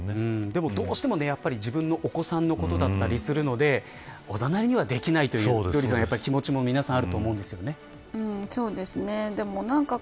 でもどうしても自分のお子さんのことだったりするのでおざなりにはできないという気持ちも皆さん